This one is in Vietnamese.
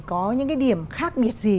có những điểm khác biệt gì